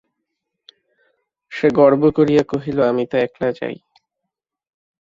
সে গর্ব করিয়া কহিল, আমি তো একলা যাই!